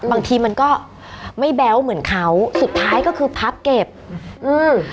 บางทีมันก็ไม่แบ๊วเหมือนเขาสุดท้ายก็คือพับเก็บอืม